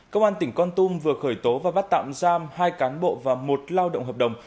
công an tỉnh con tum vừa khởi tố và bắt tạm giam hai cán bộ và một lao động hợp đồng